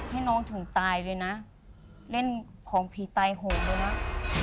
ให้น้องถึงตายเลยนะเล่นของผีไตห่วมาก